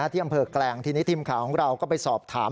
ที่อำเภอแกลงทีนี้ทีมข่าวของเราก็ไปสอบถาม